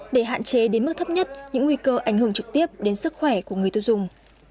để hạn chế đến mức thấp nhất những nguy cơ ảnh hưởng trực tiếp đến sức khỏe của người tiêu dùng